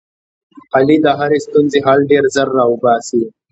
علي د هرې ستونزې حل ډېر زر را اوباسي.